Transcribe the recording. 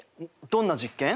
どんな実験？